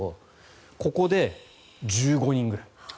ここで１５人くらい。